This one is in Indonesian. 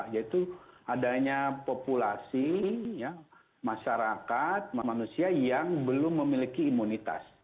yaitu adanya populasi masyarakat manusia yang belum memiliki imunitas